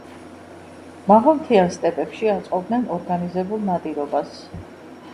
მაღალმთიან სტეპებში აწყობდნენ ორგანიზებულ ნადირობას.